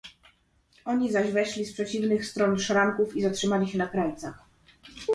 "Oni zaś weszli z przeciwnych stron szranków i zatrzymali się na krańcach."